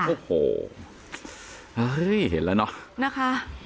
โอ้โหเฮ้ยเห็นแล้วเนอะนะคะ